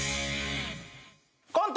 コント